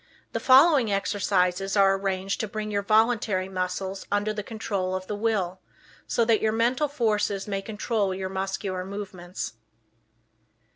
The following exercises are arranged to bring your voluntary muscles under the control of the will, so that your mental forces may control your muscular movements.